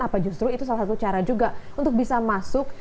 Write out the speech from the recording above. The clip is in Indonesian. apa justru itu salah satu cara juga untuk bisa masuk